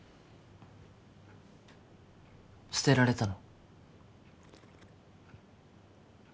捨てられたの？